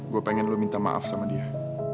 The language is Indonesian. gue pengen lo minta maaf sama dia